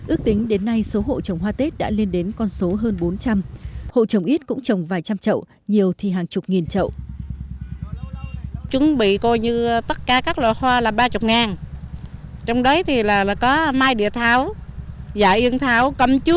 ước tính đến nay số hộ trồng hoa tết đã lên đến con số hơn bốn trăm linh hộ trồng ít cũng trồng vài trăm trậu nhiều thì hàng chục nghìn trậu